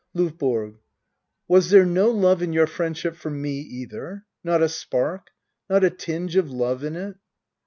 LOVBORO. Was there no love in your friendship for me either? Not a spark — not a tinge of love in it?